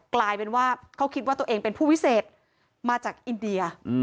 กลายเป็นว่าเขาคิดว่าตัวเองเป็นผู้วิเศษมาจากอินเดีย